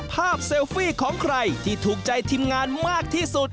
เซลฟี่ของใครที่ถูกใจทีมงานมากที่สุด